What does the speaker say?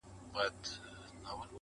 o اوس عجيبه جهان كي ژوند كومه.